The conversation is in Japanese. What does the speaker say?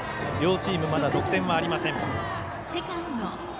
両チームまだ得点はありません。